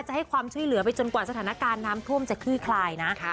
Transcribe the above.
ให้ความช่วยเหลือไปจนกว่าสถานการณ์น้ำท่วมจะคลี่คลายนะ